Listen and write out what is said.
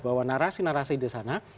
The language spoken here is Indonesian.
bahwa narasi narasi di sana